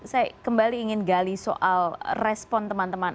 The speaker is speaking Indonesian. saya kembali ingin gali soal respon teman teman